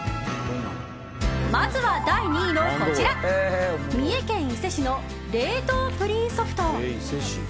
まずは第２位のこちら三重県伊勢市の冷凍プリンソフト。